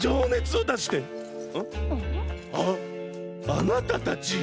あなたたち！